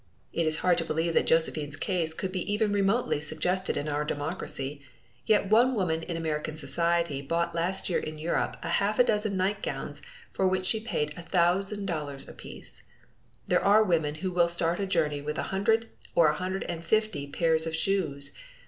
It is hard to believe that Josephine's case could be even remotely suggested in our democracy; yet one woman in American society bought last summer in Europe a half dozen nightgowns for which she paid a thousand dollars apiece. There are women who will start on a journey with a hundred or a hundred and fifty pairs of shoes.